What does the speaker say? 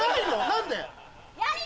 何で？